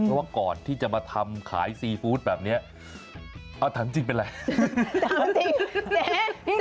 ก็ว่าก่อนที่จะมาทำขายซีฟู้ดแบบนี้เอ้าทำจริงเป็นไร